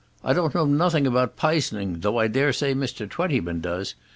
I don't know nothing about p'isoning, though I dare say Mr. Twentyman does.